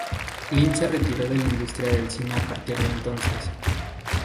Lin se retiró de la industria del cine a partir de entonces.